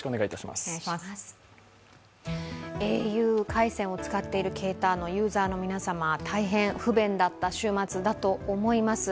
ａｕ回線を使っている携帯のユーザーの皆様、大変不便だった週末だと思います。